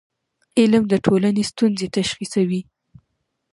علم د ټولنې ستونزې تشخیصوي.